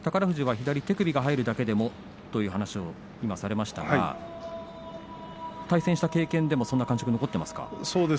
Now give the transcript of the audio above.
富士は左の手首が入るだけでもという話をされましたが対戦した経験でもそういう感触は残っていますか？